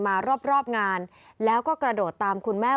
มารอบงานแล้วก็กระโดดตามคุณแม่